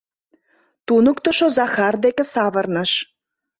— туныктышо Захар деке савырныш.